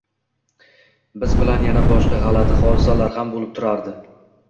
Biz bilan yana boshqa g`alati hodisalar ham bo`lib turardi